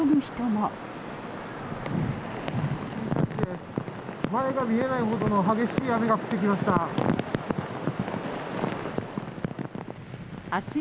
前が見えないほどの激しい雨が降ってきました。